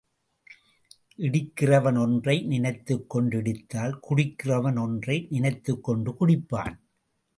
இடிக்கிறவன் ஒன்றை நினைத்துக்கொண்டு இடித்தால், குடிக்கிறவன் ஒன்றை நினைத்துக்கொண்டு குடிப்பான்.